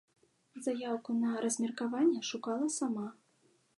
Заяўку на размеркаванне шукала сама.